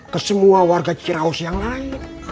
ke semua warga ciraus yang naik